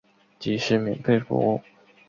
即使免费服务